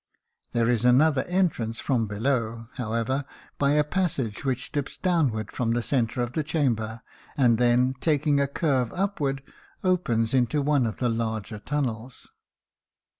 There is another entrance from below, however, by a passage which dips downward from the center of the chamber, and then, taking a curve upward, opens into one of the larger tunnels.